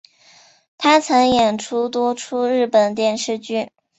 她曾演出多出日本电视剧。